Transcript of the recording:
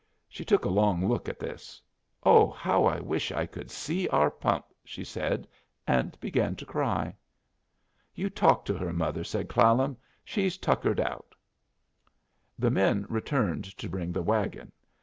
She took a long look at this. "Oh, how I wish I could see our pump!" she said, and began to cry. "You talk to her, mother," said Clallam. "She's tuckered out." The men returned to bring the wagon.